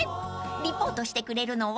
［リポートしてくれるのは］